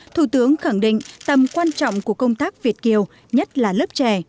thủ tướng khẳng định tầm quan trọng của công tác việt kiều nhất là lớp trẻ